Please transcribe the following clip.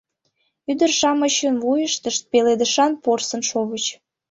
Ӱдыр-шамычын вуйыштышт пеледышан порсын шовыч.